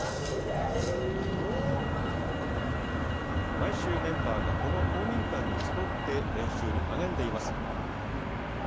毎週、メンバーがこの公民館に集って練習に励んでいます。